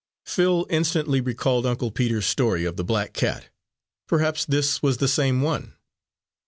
Phil instantly recalled Uncle Peter's story of the black cat. Perhaps this was the same one!